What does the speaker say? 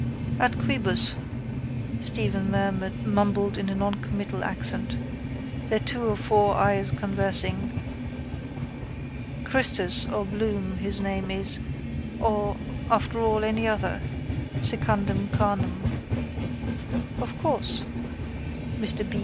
—Ex quibus, Stephen mumbled in a noncommittal accent, their two or four eyes conversing, Christus or Bloom his name is or after all any other, secundum carnem. —Of course, Mr B.